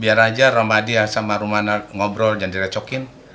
biar aja romadi sama rumana ngobrol jangan direcokin